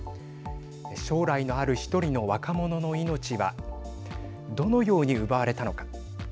将来のある１人の若者の命はどのように奪われたのか。